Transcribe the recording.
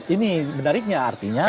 ini menariknya artinya